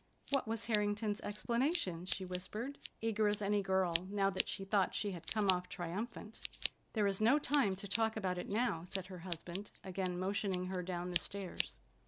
"What was Harrington's explanation?" she whispered, eager as any girl, now that she thought she had come off triumphant. "There is no time to talk about it now," said her husband, again motioning her down the stairs.